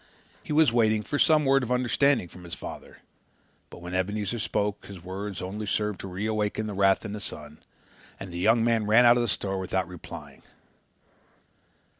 He was waiting for some word of understanding from his father but when Ebenezer spoke his words only served to reawaken the wrath in the son and the young man ran out of the store without replying.